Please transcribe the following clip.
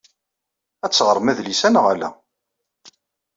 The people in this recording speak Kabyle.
Ad teɣṛem adlis-a neɣ ala?